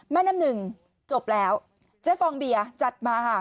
แม่น้ำหนึ่งจบแล้วเจ๊ฟองเบียร์จัดมาค่ะ